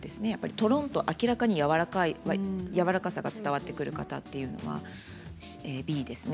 とろんと明らかにやわらかいやわらかさが伝わってくる方というのはＢですね。